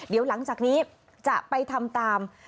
เดี๋ยวหลังจากนี้จะไปทำตาม